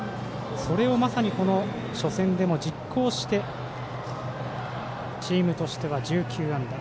それをまさにこの初戦でも実行してチームとしては１９安打。